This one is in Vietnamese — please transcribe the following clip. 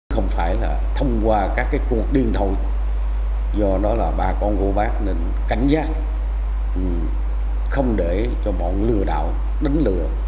không phải là thông qua các cuộc điện thoại do đó là bà con của bác nên cảnh giác không để cho bọn lừa đảo đánh lừa